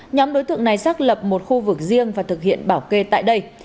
nhóm đối tượng này xác lập một khu vực riêng và thực hiện bảo kê tại đây